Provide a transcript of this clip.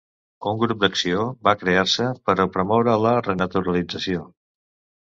Un grup d'acció va crear-se per a promoure la renaturalització.